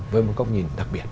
với một góc nhìn đặc biệt